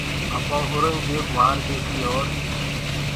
آپآئونٚ اورنٚگجيب مآرديسيٚ اور